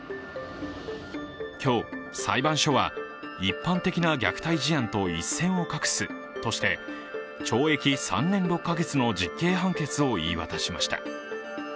今日、裁判所は一般的な虐待事案と一線を画すとして、懲役３年６か月の実刑判決を言い渡しました。